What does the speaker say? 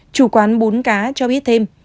chủ quán bún cá cho biết thêm